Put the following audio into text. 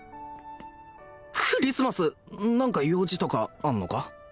クリスマス何か用事とかあんのか？